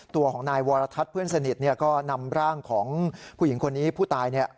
ตัวของนายวรทัศน์เพื่อนสนิทก็นำร่างของผู้หญิงคนนี้ผู้ตาย